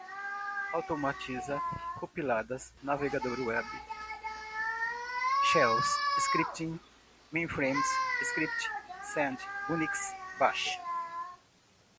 automatiza, compiladas, navegador web, shells, scripting, mainframes, script, sed, unix, bash